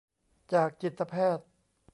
จากจิตแพทย์